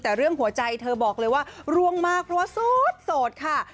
แต่เรื่องหัวใจเธอบอกเลยว่าร่วงมากเพราะว่าโสดค่ะ